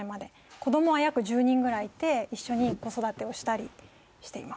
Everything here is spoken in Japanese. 子どもは約１０人ぐらいいて、一緒に子育てをしたりしています。